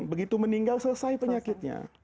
begitu meninggal selesai penyakitnya